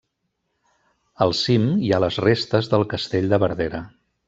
Al cim hi ha les restes del castell de Verdera.